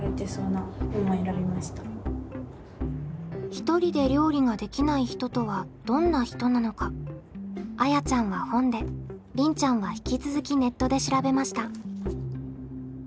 ひとりで料理ができない人とはどんな人なのかあやちゃんは本でりんちゃんは引き続きネットで調べました。